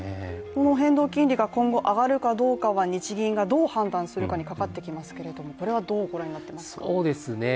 この変動金利が今後上がるかどうかは日銀がどう判断するかにかかってきますが、これはどうご覧になっていますか？